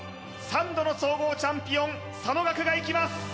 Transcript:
３度の総合チャンピオン佐野岳がいきます